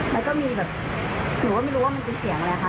มันก็มีแบบหนูก็ไม่รู้ว่ามันเป็นเสียงอะไรคะ